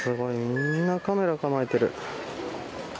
みんな、カメラ構えている。